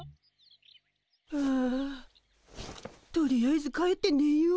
あとりあえず帰ってねよう。